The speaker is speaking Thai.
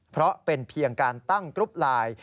เพราะเป็นเพียงการตั้งกรุ๊ปไลน์